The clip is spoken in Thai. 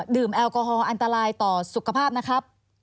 แอลกอฮอลอันตรายต่อสุขภาพนะครับ